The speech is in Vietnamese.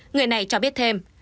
người này cho biết thêm